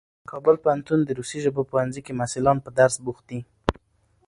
کابل پوهنتون د روسي ژبو پوهنځي کې محصلان په درس بوخت دي.